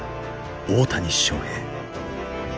大谷翔平。